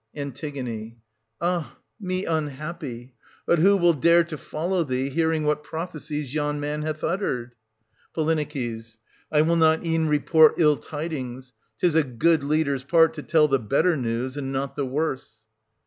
An. Ah me unhappy! — But who will dare to follow thee, hearing what prophecies yon man hath uttered } Po. I will not e'en report ill tidings : 'tis a good 1430 leader's part to tell the better news, and not the worse.